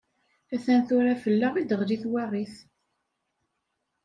Atan tura fell-aɣ i d-teɣli twaɣit!